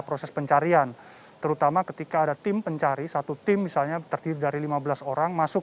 proses pencarian terutama ketika ada tim pencari satu tim misalnya terdiri dari lima belas orang masuk